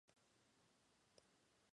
Come invertebrados acuáticos y peces hueso.